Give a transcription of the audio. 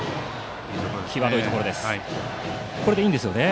これでいいんですよね。